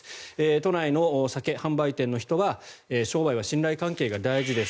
都内の酒販売店の人は商売は信頼関係が大事です